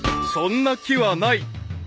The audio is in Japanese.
［そんな木はない］